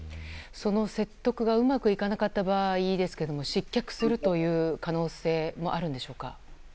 その説得がうまくいかなかった場合失脚する可能性もあるんでしょうか？